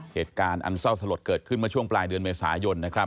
เหตุการณ์อันเศร้าสลดเกิดขึ้นมาช่วงปลายเดือนเมษายน